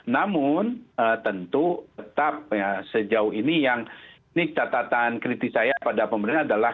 namun tentu tetap sejauh ini yang ini catatan kritis saya pada pemerintah adalah